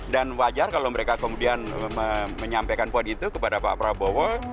dan wajar kalau mereka kemudian menyampaikan poin itu kepada pak prabowo